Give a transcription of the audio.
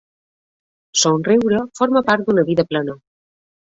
Somriure forma part d'una vida plena.